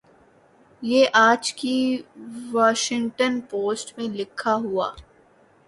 یہ آج کی واشنگٹن پوسٹ میں لکھا ہوا ۔